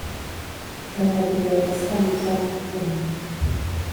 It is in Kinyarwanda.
nahageze muma saa mbiri zamugitondo